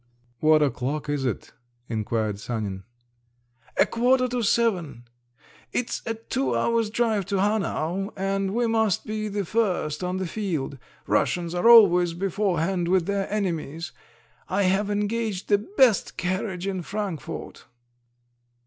"What o'clock is it?" inquired Sanin. "A quarter to seven; it's a two hours' drive to Hanau, and we must be the first on the field. Russians are always beforehand with their enemies! I have engaged the best carriage in Frankfort!"